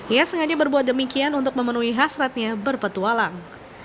ia sengaja berbuat demikian untuk memenuhi hasratnya berpetualang